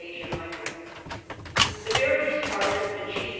Asia Minor, The various parts of the chief Euseb.